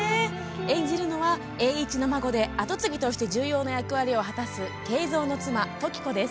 演じるのは、栄一の孫で後継ぎとして重要な役割を果たす敬三の妻・登喜子です。